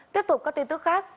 tiếp tục các tin tức khác